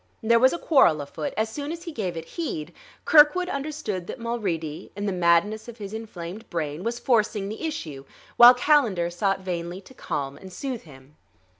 There was a quarrel afoot; as soon as he gave it heed, Kirkwood understood that Mulready, in the madness of his inflamed brain, was forcing the issue while Calendar sought vainly to calm and soothe him.